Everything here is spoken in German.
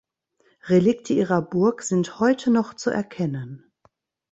Relikte ihrer Burg sind heute noch zu erkennen.